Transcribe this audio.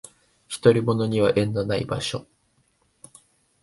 独り者には縁のない場所